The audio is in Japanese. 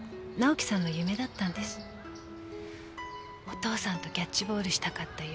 お父さんとキャッチボールしたかった夢